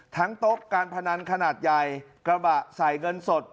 โต๊ะการพนันขนาดใหญ่กระบะใส่เงินสด